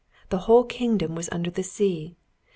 The whole kingdom was under the sea!